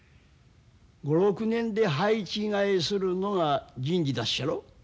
５６年で配置替えするのが人事だっしゃろ。